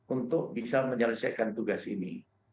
untuk bisa menyelesaikan tugas ini